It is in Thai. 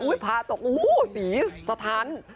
อุ๊ยพาร์ทตกอู้ศรีสะท้าน